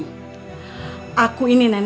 dina sudah menjadi milik kami